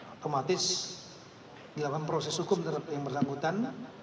otomatis dilakukan proses hukum terhadap yang bersangkutan